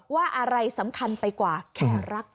ว่าอะไรสำคัญไปกว่าแค่รัก